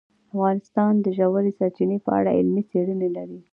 افغانستان د ژورې سرچینې په اړه علمي څېړنې لري.